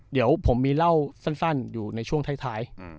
เดี๋ยวผมมีเล่าสั้นอยู่ในช่วงท้าย